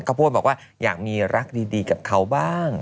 เขาพูดว่าอยากมีรักดีกับเขาบ้าง